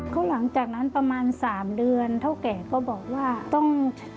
ก็เลยจะได้ส่งของ